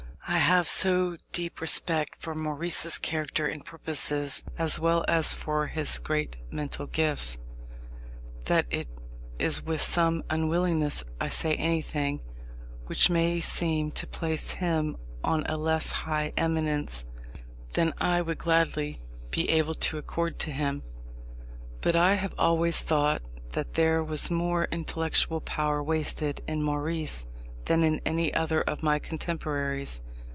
I have so deep a respect for Maurice's character and purposes, as well as for his great mental gifts, that it is with some unwillingness I say anything which may seem to place him on a less high eminence than I would gladly be able to accord to him. But I have always thought that there was more intellectual power wasted in Maurice than in any other of my contemporaries.